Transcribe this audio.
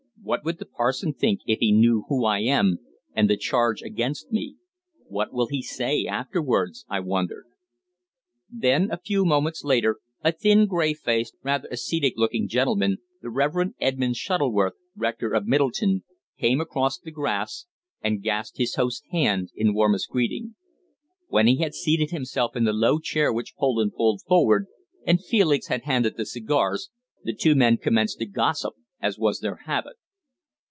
"What would the parson think if he knew who I am, and the charge against me? What will he say afterwards, I wonder?" Then, a few moments later, a thin, grey faced, rather ascetic looking clergyman, the Reverend Edmund Shuttleworth, rector of Middleton, came across the grass and grasped his host's hand in warmest greeting. When he had seated himself in the low chair which Poland pulled forward, and Felix had handed the cigars, the two men commenced to gossip, as was their habit.